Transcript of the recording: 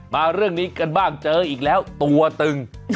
มาเรื่องนี้กันบ้างเจออีกแล้วตัวตึง